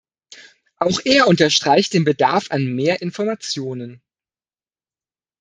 Auch er unterstreicht den Bedarf an mehr Informationen.